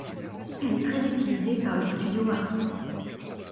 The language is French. Elle est très utilisée par le Studio Harcourt.